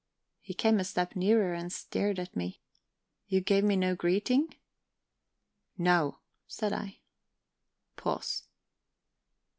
He came a step nearer and stared at me. "You gave me no greeting...?" "No," said I. Pause.